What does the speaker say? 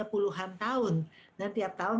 puluhan tahun dan tiap tahun